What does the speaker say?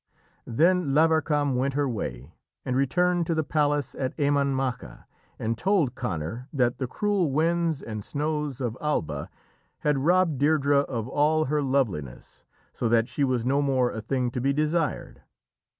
Then Lavarcam went her way, and returned to the palace at Emain Macha and told Conor that the cruel winds and snows of Alba had robbed Deirdrê of all her loveliness, so that she was no more a thing to be desired.